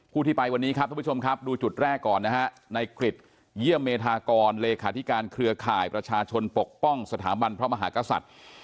ที่ไปวันนี้ครับทุกผู้ชมครับดูจุดแรกก่อนนะฮะในกริจเยี่ยมเมธากรเลขาธิการเครือข่ายประชาชนปกป้องสถาบันพระมหากษัตริย์